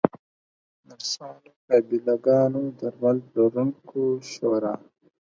نرسانو، قابله ګانو، درمل پلورونکو شورا